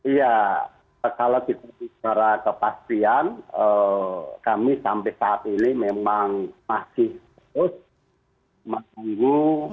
iya kalau kita bicara kepastian kami sampai saat ini memang masih terus menunggu